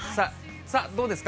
さあ、どうですか。